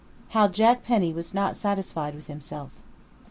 HOW JACK PENNY WAS NOT SATISFIED WITH HIMSELF.